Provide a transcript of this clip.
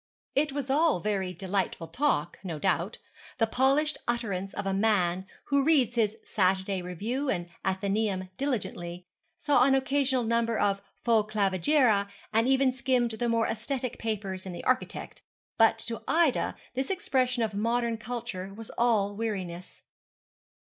It was all very delightful talk, no doubt the polished utterance of a man who read his Saturday Review and Athenaeum diligently, saw an occasional number of Fors Clavigera, and even skimmed the more aesthetic papers in the Architect; but to Ida this expression of modern culture was all weariness.